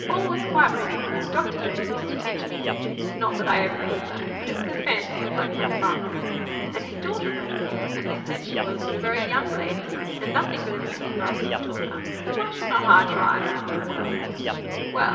All was quite ready. Doctor Burney used to teach me music: not that I ever could learn, but it was a fancy of my poor father's. And his daughter wrote a book, and they said she was but a very young lady, and nothing but a music master's daughter; so why should not I try?" "Well?" "Well!